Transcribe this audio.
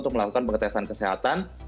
untuk melakukan pengetesan kesehatan